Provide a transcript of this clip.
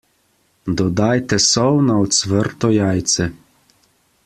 Dodajte sol na ocvrto jajce.